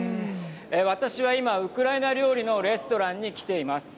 私は今、ウクライナ料理のレストランに来ています。